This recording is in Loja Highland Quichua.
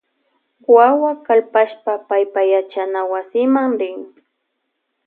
Wawak kalpashpa paypa yachanawasima rin.